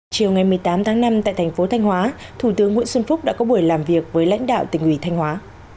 chiều ngày một mươi tám tháng năm tại thành phố thanh hóa thủ tướng nguyễn xuân phúc đã có buổi làm việc với lãnh đạo tỉnh ủy thanh hóa